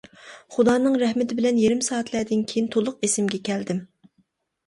خۇدانىڭ رەھمىتى بىلەن يېرىم سائەتلەردىن كىيىن تولۇق ئېسىمگە كەلدىم.